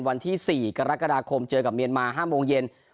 วันที่๔กรกฎาคมเจอกับเมียนมา๕โมงเย็น